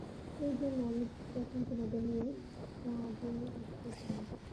ওইজন্যে আমি তখন তোমাদের নিয়ে এ গাযে আসতে চাইনি।